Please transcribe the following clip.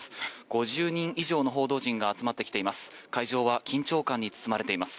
５０人以上の報道陣が集まってきています。